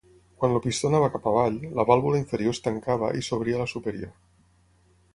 Quan el pistó anava cap avall, la vàlvula inferior es tancava i s'obria la superior.